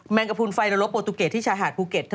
งกระพูนไฟและลบโปรตูเกตที่ชายหาดภูเก็ต